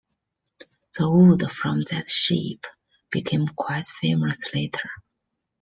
The wood from that ship became quite famous later.